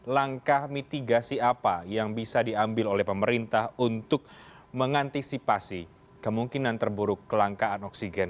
langkah mitigasi apa yang bisa diambil oleh pemerintah untuk mengantisipasi kemungkinan terburuk kelangkaan oksigen